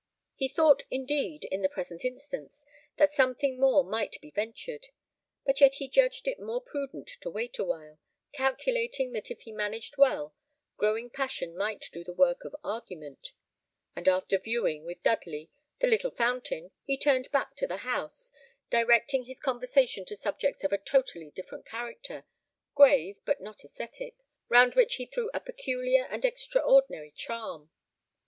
He thought, indeed, in the present instance, that something more might be ventured; but yet he judged it more prudent to wait awhile, calculating that if he managed well, growing passion might do the work of argument; and after viewing, with Dudley, the little fountain, he turned back to the house, directing his conversation to subjects of a totally different character, grave but not ascetic, round which he threw a peculiar and extraordinary charm.